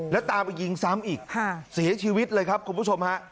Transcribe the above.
แล้วตามไปยิงซ้ำอีกเสียชีวิตเลยครับคุณผู้ชมฮะ